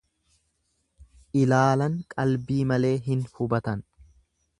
Ilaalan qalbii malee hin hubatan.